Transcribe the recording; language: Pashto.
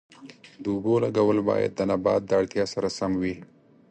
د اوبو لګول باید د نبات د اړتیا سره سم وي.